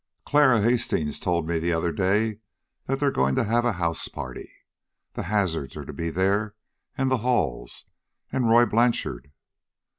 "Clara Hastings told me the other day that they're going to have a house party. The Hazards are to be there, and the Halls, and Roy Blanchard...."